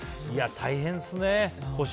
大変ですね、腰。